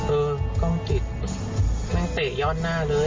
เออข้องปิดโอ้ยมันต่างต่อเพื่อนรถหน้าเลย